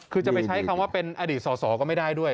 คือจะไปใช้คำว่าเป็นอดีตสอสอก็ไม่ได้ด้วย